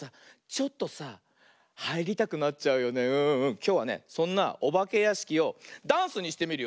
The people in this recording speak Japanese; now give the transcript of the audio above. きょうはねそんなおばけやしきをダンスにしてみるよ。